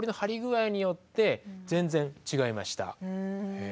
へえ。